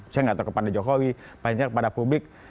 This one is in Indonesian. saya nggak tahu kepada jokowi paling tidak kepada publik